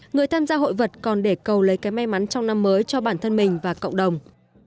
người tham gia hội vật còn để cầu lấy cái may mắn trong năm mới cho bản thân mình và cộng đồng